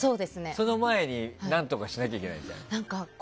その前に何とかしなきゃいけないじゃん。